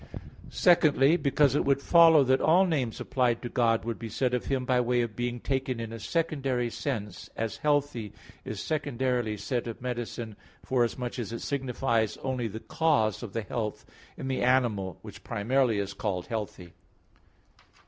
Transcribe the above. Secondly, because it would follow that all names applied to God would be said of Him by way of being taken in a secondary sense, as healthy is secondarily said of medicine, forasmuch as it signifies only the cause of the health in the animal which primarily is called healthy.